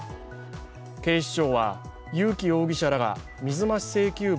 警視庁は友紀容疑者らが水増し絵請求分